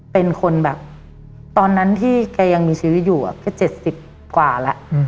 เป็นคนแบบตอนนั้นที่แกยังมีชีวิตอยู่ก็๗๐กว่าแล้ว